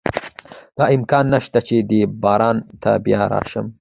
دا امکان نه شته چې دې بازار ته بیا راشم.